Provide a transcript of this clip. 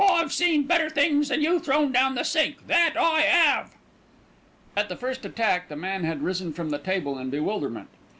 I've seen better things than you thrown down the sink, that I 'ave." At the first attack, the man had risen from the table in bewilderment.